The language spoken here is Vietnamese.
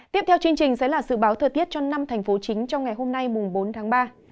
tiếp theo chương trình sẽ là dự báo thời tiết cho năm thành phố chính trong ngày hôm nay bốn tháng ba